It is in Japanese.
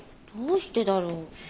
どうしてだろう？